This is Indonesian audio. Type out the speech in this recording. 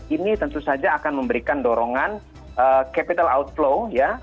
ini tentu saja akan memberikan dorongan capital outflow ya